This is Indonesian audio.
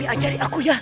iya tapi ajari aku ya